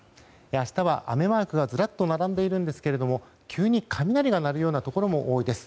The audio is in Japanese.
明日は雨マークがずらっと並んでいるんですが急に雷が鳴るようなところも多いです。